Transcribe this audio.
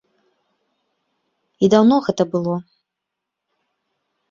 І даўно гэта было.